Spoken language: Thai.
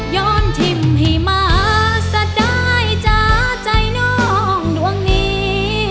ยอนถิ่มที่มาสัดได้จ้าใจน้องดวงนี้